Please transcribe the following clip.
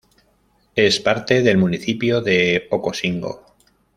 Es parte del municipio de Ocosingo.